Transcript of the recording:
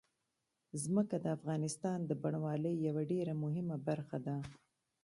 ځمکه د افغانستان د بڼوالۍ یوه ډېره مهمه برخه ده.